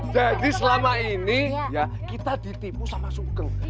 jadi selama ini ya kita ditipu sama sugeng